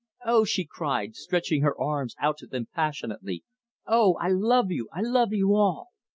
"Oh!" she cried, stretching her arms out to them passionately, "Oh! I love you; I love you all!"